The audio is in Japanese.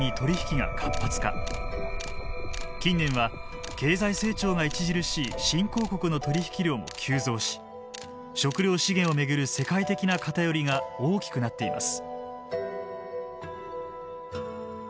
近年は経済成長が著しい新興国の取引量も急増し食料資源を巡る世界的な偏りが大きくなっています。